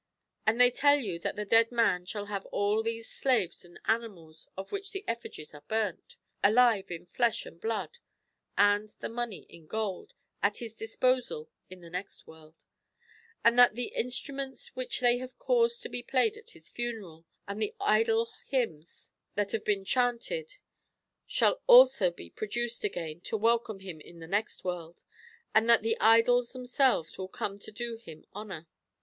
And they tell you that the dead man shall have all these slaves and animals of which the effigies are burnt, alive in flesh and blood, and the money in gold, at his disposal in the next world; and that the instruments which they have caused to be played at his funeral, and the idol hymns that have been chaunted, shall also be produced again to welcome him in the next world ; and that the idols themselves will come to do him honour.'